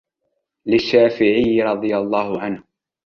لِلشَّافِعِيِّ رَضِيَ اللَّهُ عَنْهُ